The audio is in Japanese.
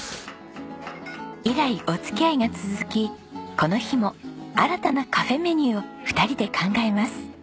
以来お付き合いが続きこの日も新たなカフェメニューを２人で考えます。